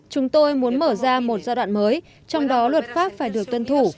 chúng tôi muốn mở ra một giai đoạn mới trong đó luật pháp phải được tuân thủ